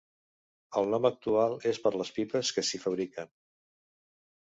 El nom actual és per les pipes que s'hi fabriquen.